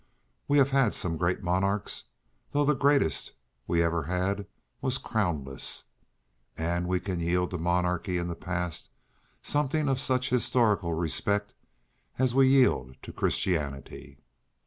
We have had some great monarchs, though the greatest we ever had was crown less, and we can yield to monarchy in the past something of such historical respect as we yield to Christianity.